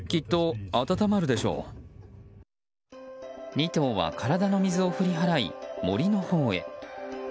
２頭は体の水を振り払い森のほうへ。